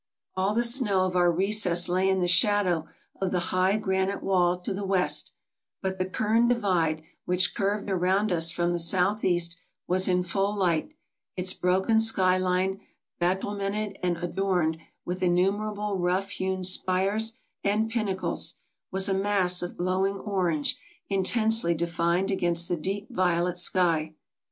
All the snow of our recess lay in the shadow of the high granite wall to the west, but the Kern divide which curved around us from the southeast was in full light; its broken sky line, battlemented and adorned with innumerable rough hewn spires and pinnacles, was a mass of glowing orange intensely defined against the deep violet sky.